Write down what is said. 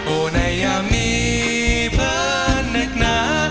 โอไนยามีเพลินเนคนา